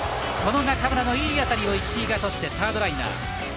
中村のいい当たりを石井がとってサードライナー。